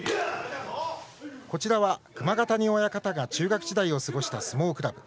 こちらは、熊ヶ谷親方が中学時代を過ごした相撲クラブ。